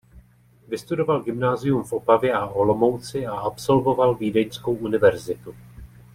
Vystudoval gymnázium v Opavě a Olomouci a absolvoval Vídeňskou univerzitu.